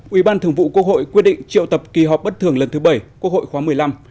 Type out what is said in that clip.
ủy ban thường vụ quốc hội quyết định triệu tập kỳ họp bất thường lần thứ bảy quốc hội khóa một mươi năm